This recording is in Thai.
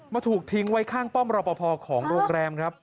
ถูกทิ้งไว้ข้างป้อมรอปภของโรงแรมครับ